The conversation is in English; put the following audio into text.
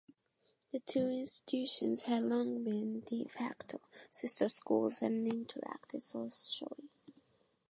The two institutions had long been "de facto" sister schools and interacted socially.